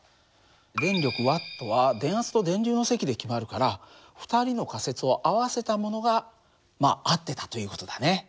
電力Ｗは電圧と電流の積で決まるから２人の仮説を合わせたものがまあ合ってたという事だね。